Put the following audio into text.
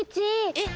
えっ。